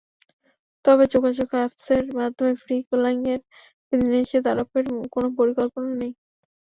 তবে যোগাযোগ অ্যাপসের মাধ্যমে ফ্রি কলিংয়ে বিধিনিষেধ আরোপের কোনো পরিকল্পনা নেই।